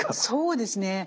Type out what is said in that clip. そうですね